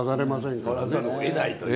触らざるをえないという。